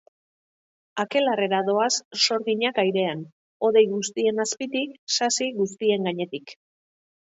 Akelarrera doaz sorginak airean hodei guztien azpitik, sasi guztien gainetik.